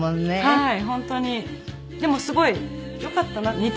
はい。